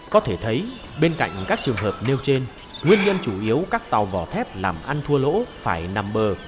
có thể thấy bên cạnh các trường hợp nêu trên nguyên nhân chủ yếu các tàu vỏ thép làm ăn thua lỗ phải nằm bờ